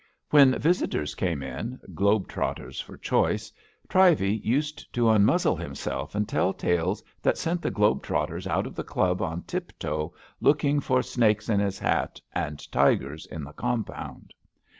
When visitors came in — globe trotters for choice — Trivey used to un muzzle himself and tell tales that sent the globe trotter out of the Club on tiptoe looking for snakes 79 80 ABAFT THE FUNNEL in his hat and tigers in the compound.